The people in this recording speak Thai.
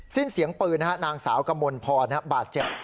สิ้นเสียงปืนนางสาวกมลพรบาดเจ็บ